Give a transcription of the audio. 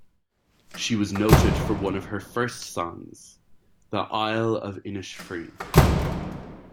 She was noted for one of her first songs, "The Isle of Innisfree".